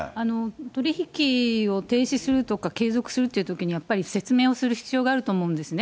取り引きを停止するとか、継続するっていうときに、やっぱり説明をする必要があると思うんですね。